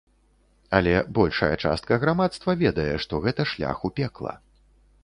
Але большая частка грамадства ведае, што гэта шлях у пекла.